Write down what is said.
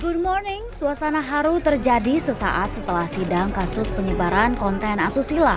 good morning suasana haru terjadi sesaat setelah sidang kasus penyebaran konten asusila